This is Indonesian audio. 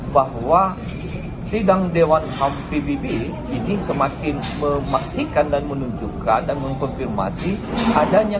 bahwa sidang dewan ham pbb ini semakin memastikan dan menunjukkan dan mengkonfirmasi adanya